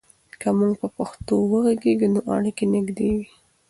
که موږ په پښتو وغږیږو، نو اړیکې نږدې وي.